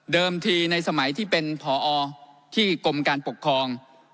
ทีในสมัยที่เป็นผอที่กรมการปกครอง